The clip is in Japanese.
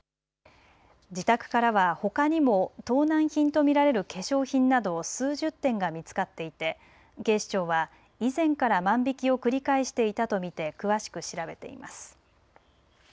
自宅からはほかにも盗難品と見られる化粧品など数十点が見つかっていて警視庁は以前から万引きを繰り返していたと見て詳しく調べいます。